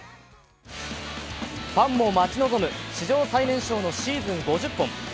ファンも待ち望む史上最年少のシーズン５０本。